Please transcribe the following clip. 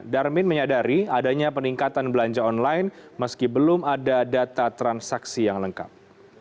darmin menyadari adanya peningkatan belanja online meski belum ada data transaksi yang lengkap